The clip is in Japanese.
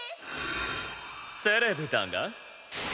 セレブだが？